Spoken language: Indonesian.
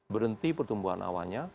berhenti pertumbuhan awannya